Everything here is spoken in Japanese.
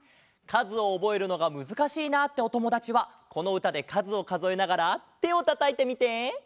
かずをおぼえるのがむずかしいなっておともだちはこのうたでかずをかぞえながらてをたたいてみて！